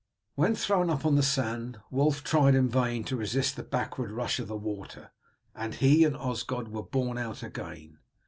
When thrown up on the sand Wulf tried in vain to resist the backward rush of the water; he and Osgod were borne out again.